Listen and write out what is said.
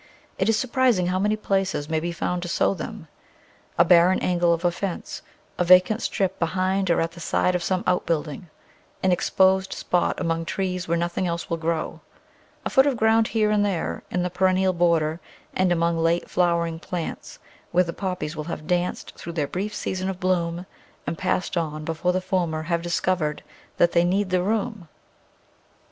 It is surprising how many places may be found to sow them. A bar ren angle of a fence, a vacant strip behind or at the side of some outbuilding, an exposed spot among trees where nothing else will grow, a foot of ground here and there, in the perennial border and among late flowering plants, where the Poppies will have danced through their brief season of bloom and passed on before the former have discovered that they need the room.